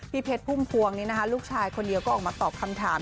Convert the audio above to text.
เพชรพุ่มพวงนี้นะคะลูกชายคนเดียวก็ออกมาตอบคำถาม